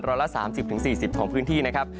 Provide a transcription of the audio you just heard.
รัลละ๓๐๔๐ของพื้นที่